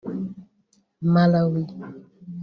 Malawi